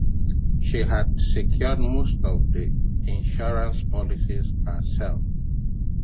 She had secured most of the insurance policies herself.